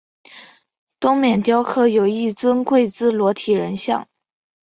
东面雕刻有一尊跪姿裸体人像。